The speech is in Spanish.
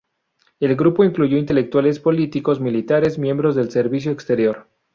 El grupo incluyó intelectuales, políticos, militares, miembros del servicio exterior.